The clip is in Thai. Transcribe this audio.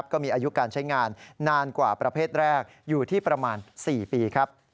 ก็มีอายุการใช้งานนานกว่าประเภทแรกอยู่ที่ประมาณ๔ปีครับ